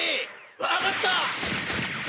分かった！